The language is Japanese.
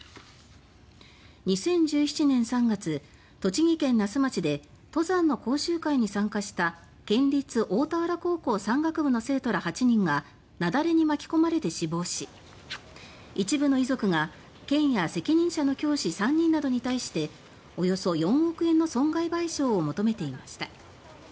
２０１７年３月栃木県那須町で登山の講習会に参加した県立大田原高校山岳部の生徒ら８人が雪崩に巻き込まれて死亡し一部の遺族が県や責任者の教師３人などに対しておよそ４億円の損害賠償を求めていました。